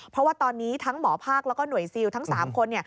เพราะว่าตอนนี้ทั้งหมอภาคแล้วก็หน่วยซิลทั้ง๓คน